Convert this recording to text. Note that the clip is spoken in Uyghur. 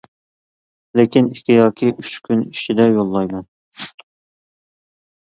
لېكىن ئىككى ياكى ئۈچ كۈن ئىچىدە يوللايمەن.